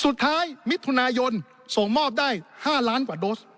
มิถุนายนส่งมอบได้๕ล้านกว่าโดส